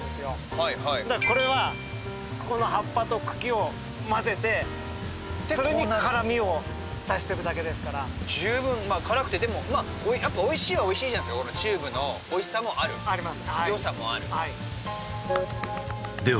はいはいこれはここの葉っぱと茎を混ぜてそれに辛味を足してるだけですから十分まあ辛くてでもまあやっぱおいしいはおいしいじゃないすかチューブのおいしさもあるあります